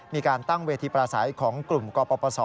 มีการตั้งเวทีประสัยของกลุ่มกปศ